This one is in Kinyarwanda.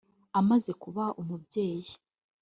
amaze kuba umubyeyi